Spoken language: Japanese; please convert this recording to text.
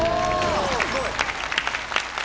すごい！